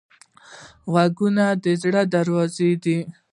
غوږونه د زړه دروازه ده